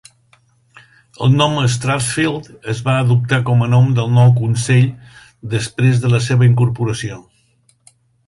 El nom "Strathfield" es va adoptar com a nom del nou consell després de la seva incorporació.